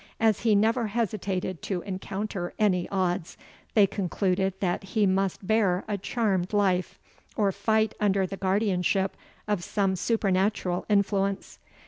As he never hesitated to encounter any odds, they concluded that he must bear a charmed life, or fight under the guardianship of some supernatural influence.